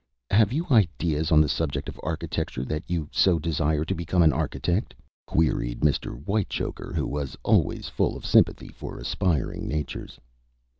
"Have you ideas on the subject of architecture that you so desire to become an architect?" queried Mr. Whitechoker, who was always full of sympathy for aspiring natures.